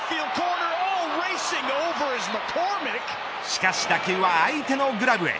しかし打球は相手のグラブへ。